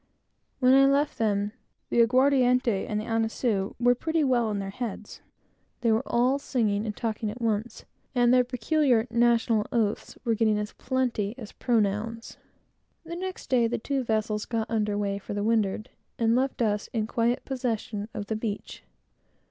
When I left them, the aguardiente and annisou was pretty well in their heads, and they were all singing and talking at once, and their peculiar national oaths were getting as plenty as pronouns. The next day, the two vessels got under weigh for the windward, and left us in quiet possession of the beach.